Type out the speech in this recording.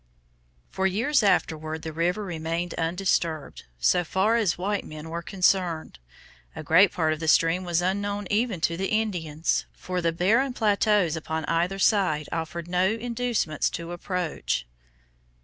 For years afterward the river remained undisturbed, so far as white men were concerned. A great part of the stream was unknown even to the Indians, for the barren plateaus upon either side offered no inducements to approach.